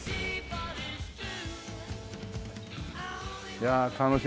いやあ楽しい。